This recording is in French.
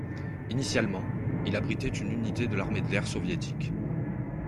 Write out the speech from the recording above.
Initialement, il abritait une unité de l'Armée de l'air soviétique.